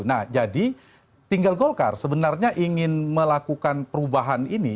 nah jadi tinggal golkar sebenarnya ingin melakukan perubahan ini